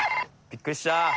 びっくりした。